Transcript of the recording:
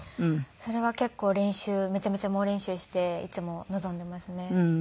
それは結構練習めちゃめちゃ猛練習していつも臨んでますね。